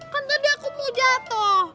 kan badai aku mau jatuh